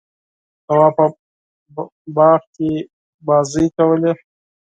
تواب په باغ کې لوبې کولې.